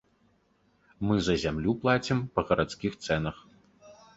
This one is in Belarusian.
Мы за зямлю плацім па гарадскіх цэнах.